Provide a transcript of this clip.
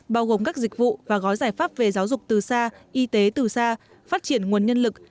bao gồm các dịch vụ và gói giải pháp về giáo dục từ xa y tế từ xa phát triển nguồn nhân lực